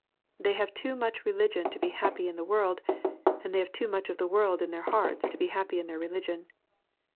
They have too much religion to be happy in the world, and they have too much of the world in their hearts to be happy in their religion.